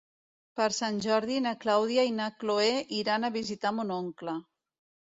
Per Sant Jordi na Clàudia i na Cloè iran a visitar mon oncle.